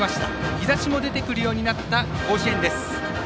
日ざしも出てくるようになった甲子園です。